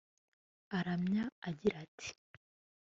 aramya agira ati